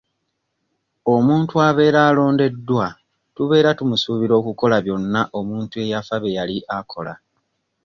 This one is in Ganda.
Omuntu abeera alondeddwa tubeera tumusuubira okukola byonna omuntu eyafa bye yali akola.